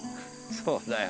そうだよ。